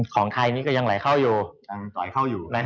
ของไทยมันก็ยังไหลเข้าอยู่